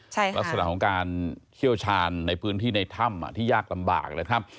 ลักษณะของการเชี่ยวชาญในพื้นที่ในถ้ำที่ยากลำบากนะครับ